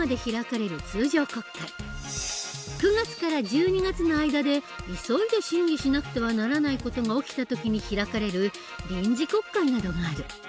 ９月から１２月の間で急いで審議しなくてはならない事が起きた時に開かれる臨時国会などがある。